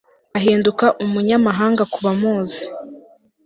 Ahinduka umunyamahanga kubamuzi